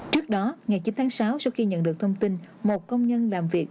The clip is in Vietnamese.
trước đó ngày chín tháng sáu sau khi nhận được thông tin một công nhân làm việc